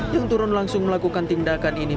yang turun langsung melakukan tindakan ini